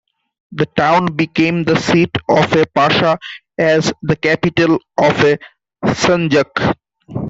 The town became the seat of a Pasha as the capital of a sanjak.